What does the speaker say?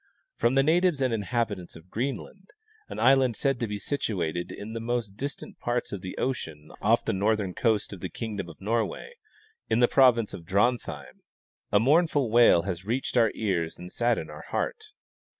From the natives and inhabitants of Greenland, an island said to be situated in the most distant 214 W. E. Curtis — Pre Columbian, Vatican Documents. parts of the ocean off the northern coast of the kingdom of Nor way, in the province of Drontheim, a mournful wail has reached our ears and saddened our heart.